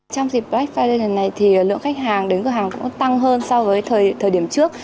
trong dịp black friday lần này thì lượng khách hàng đến cửa hàng cũng tăng hơn so với thời điểm trước